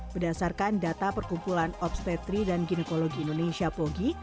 berdasarkan data perkumpulan obstetri dan ginekologi indonesia pogi